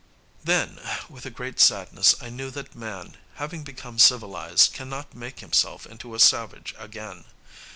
Then, with a great sadness, I knew that man, having become civilized, cannot make himself into a savage again.